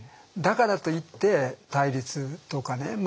だからといって対立とかね